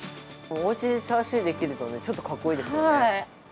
おうちでチャーシューできるとね、ちょっとかっこいいですよね。